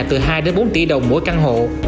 từ hai bốn tỷ đồng mỗi căn hộ